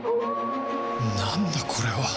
なんだこれは